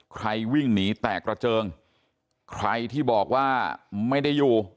วิ่งหนีแตกระเจิงใครที่บอกว่าไม่ได้อยู่